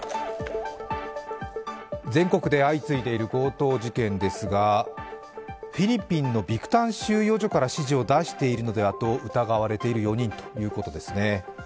全国で相次いでいる強盗事件ですが、フィリピンのビクタン収容所から指示を出しているのではと疑われている４人ということですね。